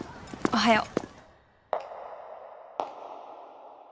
おはよう。